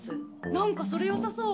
なんかそれよさそう。